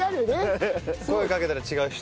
声かけたら違う人。